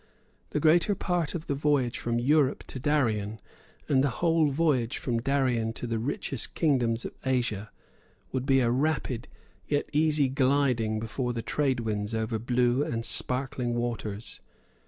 The greater part of the voyage from Europe to Darien, and the whole voyage from Darien to the richest kingdoms of Asia, would be a rapid yet easy gliding before the trade winds over blue and sparkling waters.